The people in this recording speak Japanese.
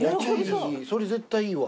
それ絶対いいわ。